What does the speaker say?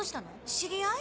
知り合い？